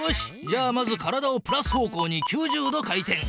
じゃあまず体をプラス方向に９０度回転。